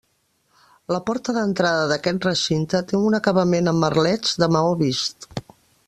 La porta d'entrada d'aquest recinte té un acabament amb merlets, de maó vist.